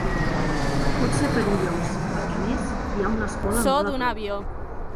Pot ser perillós perquè a més hi ha una escola molt prop.